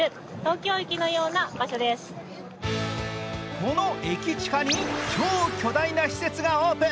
この駅地下に超巨大な施設がオープン。